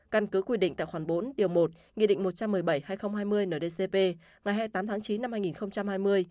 căn cứ quy định tại khoản bốn điều một nghị định một trăm một mươi bảy hai nghìn hai mươi ndcp ngày hai mươi tám tháng chín năm hai nghìn hai mươi